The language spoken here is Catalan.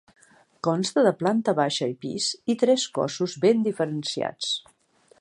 Consta de planta baixa i pis, i tres cossos ben diferenciats.